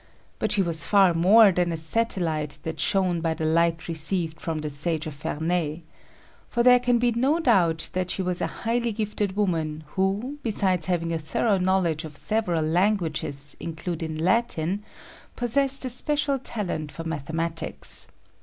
But she was far more than a satellite that shone by the light received from the sage of Ferney. For there can be no doubt that she was a highly gifted woman who, besides having a thorough knowledge of several languages, including Latin, possessed a special talent for mathematics.